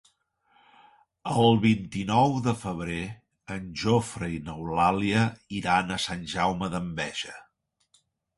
El vint-i-nou de febrer en Jofre i n'Eulàlia iran a Sant Jaume d'Enveja.